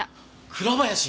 倉林！